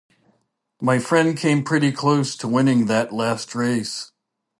My friend came pretty close to winning that last race.